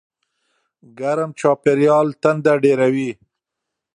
ګرم چاپېریال تنده ډېروي.